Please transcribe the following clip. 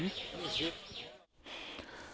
สูตร